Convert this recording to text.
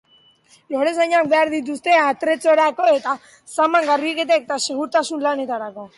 Lorezainak behar dituzte atrezzorako, eta zama, garbiketa eta segurtasun lanetarako.